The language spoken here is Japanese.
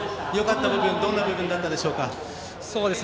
よかった部分どんな部分だったでしょうか？